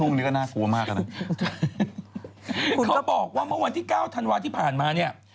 เขาบอกว่าเมื่อวันที่๙ธันวาคมที่ผ่านมาเนี่ย